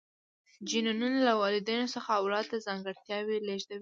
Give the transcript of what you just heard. جینونه له والدینو څخه اولاد ته ځانګړتیاوې لیږدوي